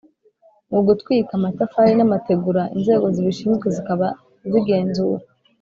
Mu gutwika amatafari n amategura inzego zibishinzwe zikaba zigenzura